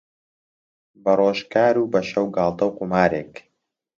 بەڕۆژ کار و بەشەو گاڵتە و قومارێک